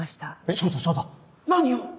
そうだそうだ！何を？